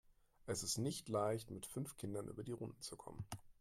Es ist nicht leicht, mit fünf Kindern über die Runden zu kommen.